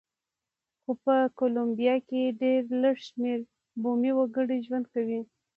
خو په کولمبیا کې ډېر لږ شمېر بومي وګړي ژوند کوي.